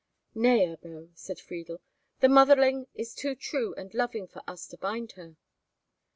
"Nay, Ebbo," said Friedel, "the motherling is too true and loving for us to bind her."